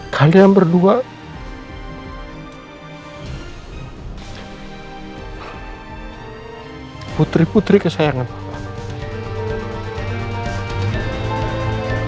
kalian berdua putri putri kesayangan